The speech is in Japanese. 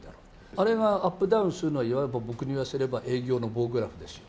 あれがアップダウンするのは、僕にいわせれば、営業の棒グラフですよ。